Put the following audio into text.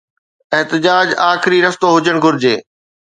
احتجاج آخري رستو هجڻ گهرجي.